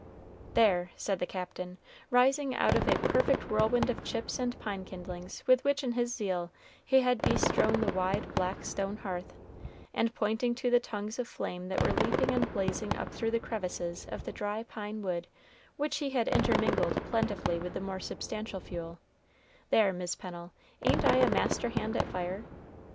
"There!" said the Captain, rising out of a perfect whirlwind of chips and pine kindlings with which in his zeal he had bestrown the wide, black stone hearth, and pointing to the tongues of flame that were leaping and blazing up through the crevices of the dry pine wood which he had intermingled plentifully with the more substantial fuel, "there, Mis' Pennel, ain't I a master hand at a fire?